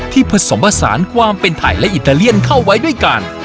ผสมผสานความเป็นไทยและอิตาเลียนเข้าไว้ด้วยกัน